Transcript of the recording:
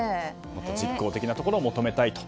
実効的なところを求めたいと。